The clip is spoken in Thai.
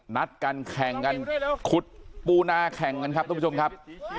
นัดกันแข่งกันขุดปูนาแข่งกันครับทุกผู้ชมครับ